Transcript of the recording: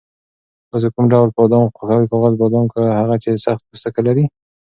تاسو کوم ډول بادام خوښوئ، کاغذي بادام که هغه چې سخت پوستکی لري؟